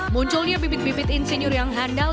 munculnya bibit bibit insinyur yang handal